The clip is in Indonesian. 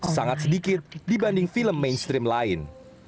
sangat sedikit dibanding film mainstream lain